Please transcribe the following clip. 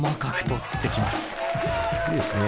いいですね。